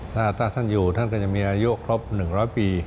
ถ้าท่านอยู่ท่านก็จะมีอายุครบ๑๐๐ปี